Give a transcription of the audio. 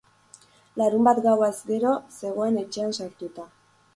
Larunbat gauaz gero zegoen etxean sartuta.